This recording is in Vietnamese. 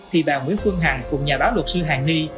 thì bà nguyễn phương hằng cùng nhà báo luật sư hàng ni